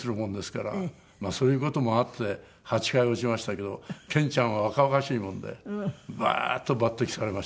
まあそういう事もあって８回落ちましたけど健ちゃんは若々しいもんでバーッと抜擢されましたね。